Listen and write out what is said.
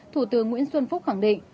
thủ tướng nguyễn xuân phúc khẳng định